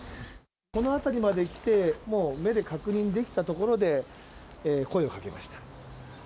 この辺りまで来て、もう目で確認できたところで、声をかけました。